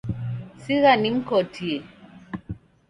Sigha nimkotie.